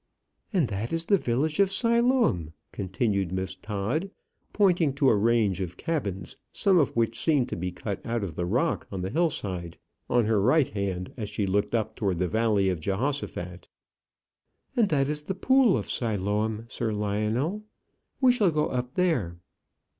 "And that is the village of Siloam," continued Miss Todd, pointing to a range of cabins, some of which seemed to be cut out of the rock on the hill side, on her right hand as she looked up towards the valley of Jehoshaphat. "And that is the pool of Siloam, Sir Lionel; we shall go up there."